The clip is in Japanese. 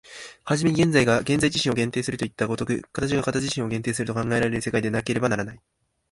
始めに現在が現在自身を限定するといった如く、形が形自身を限定すると考えられる世界でなければならない。